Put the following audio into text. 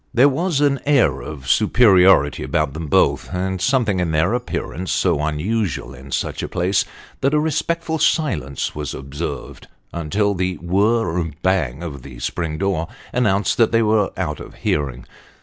There was an air of superiority about them both, and something in their appearance so unusual in such a place, that a respectful silence was observed until the whirr r bang of the spring door announced that they were out of hearing.